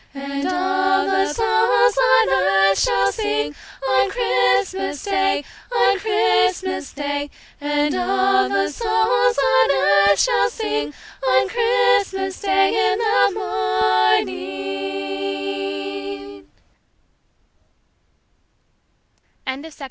And all the souls on earth shall sing On Christmas day, on Christmas day; And all the souls on earth shall sing On Christmas day in the morning.